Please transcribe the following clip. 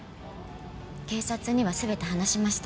警察には全て話しました。